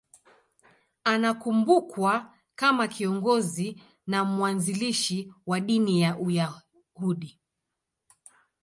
Anakumbukwa kama kiongozi na mwanzilishi wa dini ya Uyahudi.